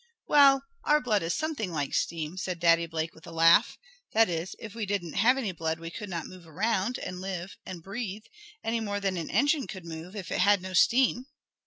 "Well, our blood is something like steam," said Daddy Blake, with a laugh. "That is if we didn't have any blood we could not move around, and live and breathe, any more than an engine could move if it had no steam.